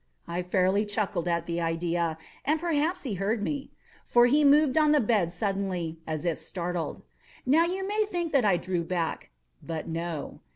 I fairly chuckled at the idea; and perhaps he heard me; for he moved on the bed suddenly, as if startled. Now you may think that I drew back—but no.